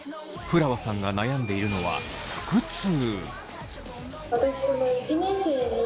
ふらわさんが悩んでいるのは腹痛。